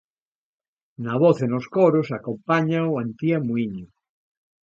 Na voz e nos coros acompáñao Antía Muíño.